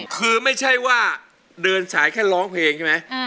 คือไม่ใช่ว่าเดินสายแค่ร้องเพลงใช่ไหม